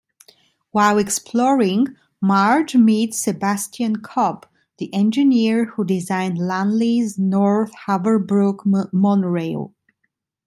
While exploring, Marge meets Sebastian Cobb, the engineer who designed Lanley's North Haverbrook monorail.